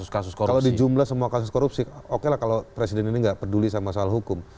kalau di jumlah semua kasus korupsi oke lah kalau presiden ini nggak peduli sama soal hukum